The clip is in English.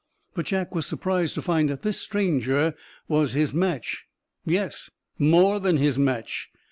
But Jack was surprised to find that the stranger was his match yes, more than his match.